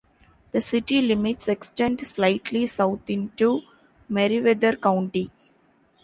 The city limits extend slightly south into Meriwether County.